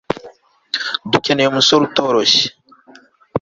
Dukeneye umusore utoroshye